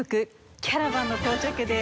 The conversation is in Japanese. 『キャラバンの到着』です。